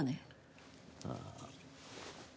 ああ。